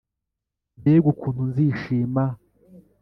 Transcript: mbega ukuntu nzishima,